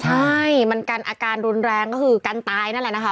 ใช่อาการแรงก็คือการตายนั่นแหละนะคะ